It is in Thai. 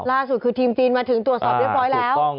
ล่าสุดคือทีมจีนมาถึงตรวจสอบเรียบร้อยแล้ว